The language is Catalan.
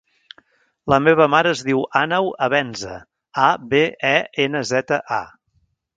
La meva mare es diu Àneu Abenza: a, be, e, ena, zeta, a.